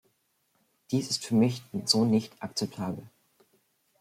Dies ist für mich so nicht akzeptabel.